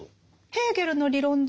ヘーゲルの理論上